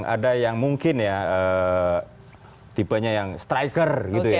ada yang mungkin ya tipenya yang striker gitu ya